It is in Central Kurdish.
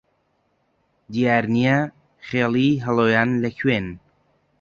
دیار نییە خێڵی هەڵۆیان لە کوێن